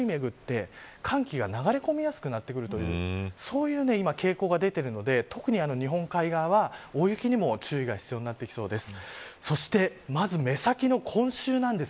そうすると日本の辺りは巡り巡って寒気が流れ込みやすくなってくるというそういう傾向が出ているので特に日本海側は大雪にも注意が必要になってきそうです。